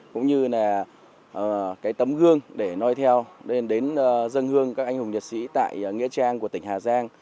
cũng như là cái tấm gương để nói theo lên đến dân hương các anh hùng liệt sĩ tại nghĩa trang của tỉnh hà giang